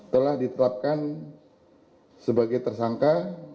telah ditetapkan sebagai tersangka